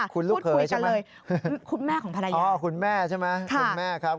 คุณลูกเขยใช่ไหมคุณแม่ของภรรยาอ๋อคุณแม่ใช่ไหมคุณแม่ครับ